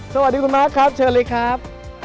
สวัสดีคุณมาร์คครับเชิญเลยครับ